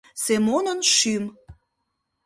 Семонын шӱм